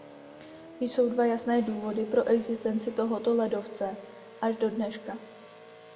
Jsou dva jasné důvody pro existenci tohoto ledovce až do dneška.